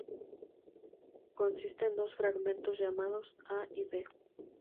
Consiste en dos fragmentos, llamados "A" y "B".